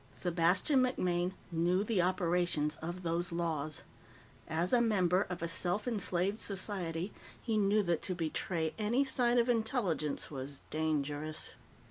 Sebastian MacMaine knew the operations of those laws. As a member of a self enslaved society, he knew that to betray any sign of intelligence was dangerous.